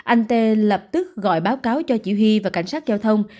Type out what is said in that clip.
anh tê lập tức gọi báo cáo cho chỉ huy và cảnh sát giao thông